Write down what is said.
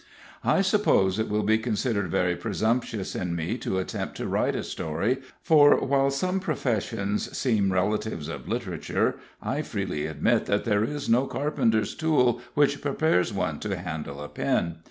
I suppose it will be considered very presumptuous in me to attempt to write a story, for, while some professions seem relatives of literature, I freely admit that there is no carpenter's tool which prepares one to handle a pen.